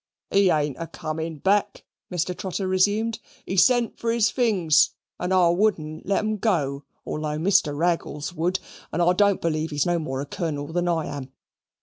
"He ain't a coming back," Mr. Trotter resumed. "He sent for his things, and I wouldn't let 'em go, although Mr. Raggles would; and I don't b'lieve he's no more a Colonel than I am.